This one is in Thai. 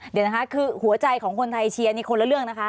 เดี๋ยวนะคะคือหัวใจของคนไทยเชียร์นี่คนละเรื่องนะคะ